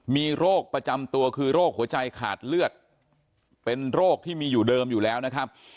มีโรคประจำตัวคือโรคหัวใจขาดเลือดเป็นโรคที่มีอยู่เดิมอยู่แล้วนะครับ